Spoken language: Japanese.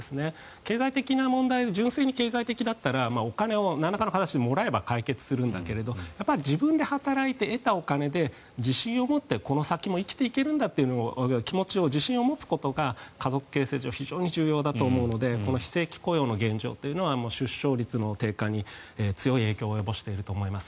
経済的な問題純粋に経済的だったらお金をなんらかの形でもらえれば解決するんだけど自分で働いて得たお金で自信を持ってこの先も生きていけるんだという気持ちを、自信を持つことが家族形成上非常に重要だと思うので非正規雇用の現状は出生率の低下に強い影響を及ぼしていると思います。